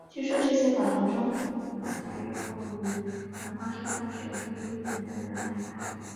据说这些宝藏专门留待日后与莲花生大士有特殊因缘且高证量的修行人来发觉。